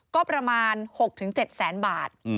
ก็ประมาณ๖๗๐๐๐๐๐บาท